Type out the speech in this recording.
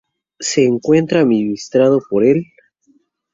Se encuentra administrado por el